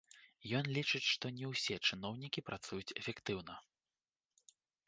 Ён лічыць, што не ўсе чыноўнікі працуюць эфектыўна.